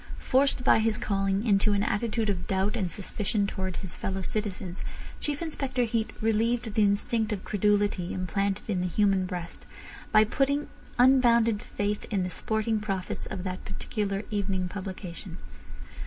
Forced by his calling into an attitude of doubt and suspicion towards his fellow citizens, Chief Inspector Heat relieved the instinct of credulity implanted in the human breast by putting unbounded faith in the sporting prophets of that particular evening publication.